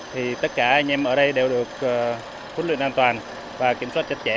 thì tất cả anh em ở đây đều được huấn luyện an toàn và kiểm soát chặt chẽ